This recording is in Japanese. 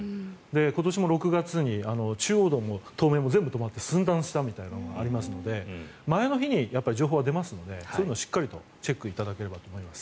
今年も６月に中央道も東名も全部止まって寸断したみたいなのがありますので前の日に情報は出ますのでそういうのをしっかりチェックいただければと思います。